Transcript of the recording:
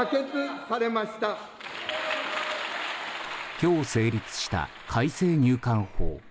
今日成立した改正入管法。